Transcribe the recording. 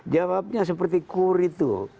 jawabnya seperti kur itu